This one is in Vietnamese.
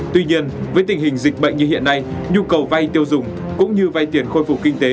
tuy nhiên với tình hình dịch bệnh như hiện nay nhu cầu vay tiêu dùng cũng như vay tiền khôi phục kinh tế